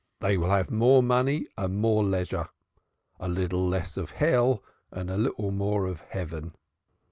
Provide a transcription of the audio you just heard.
They will have more money and more leisure, a little less of hell and a little more of heaven.